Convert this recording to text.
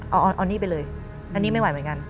เอานี่ไปเลยอันนี้ไม่ไหวเหมือนกัน